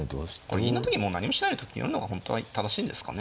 これ銀の時もう何もしないでと金寄るのが本当は正しいんですかね。